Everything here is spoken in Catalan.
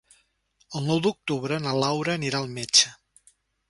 El nou d'octubre na Laura anirà al metge.